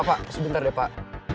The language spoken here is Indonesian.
pak sebentar deh pak